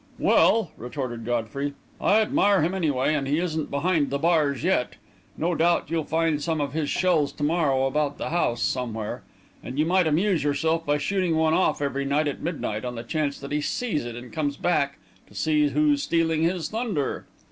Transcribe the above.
"Well," retorted Godfrey, "I admire him, anyway; and he isn't behind the bars yet. No doubt you'll find some of his shells to morrow about the house somewhere, and you might amuse yourself by shooting one off every night at midnight, on the chance that he sees it and comes back to see who's stealing his thunder!"